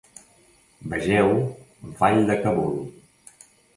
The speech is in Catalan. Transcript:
Vegeu Vall de Kabul.